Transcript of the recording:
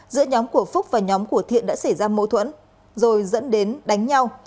giữa nhóm của phúc và nhóm của thiện đã xảy ra mâu thuẫn rồi dẫn đến đánh nhau